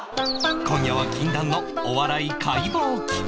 今夜は禁断のお笑い解剖企画